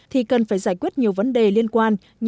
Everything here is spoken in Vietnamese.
thì cần phải giải quyết nhiều vấn đề liên quan